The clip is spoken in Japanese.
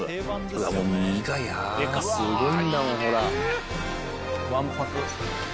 ほらもう身がすごいんだもんほら。